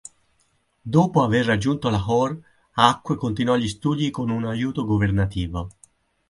Dopo aver raggiunto Lahore, Haq continuò gli studi con un aiuto governativo.